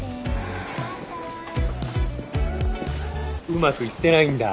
うまくいってないんだ？